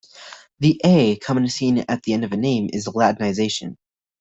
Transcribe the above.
The "a" commonly seen at the end of her name is a latinisation.